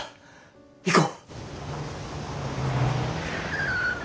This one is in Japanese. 行こう！